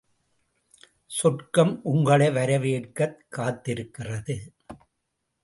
சொர்க்கம் உங்களை வரவேற்கக் காத்திருக்கிறது.